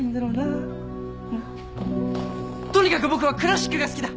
とにかく僕はクラシックが好きだ。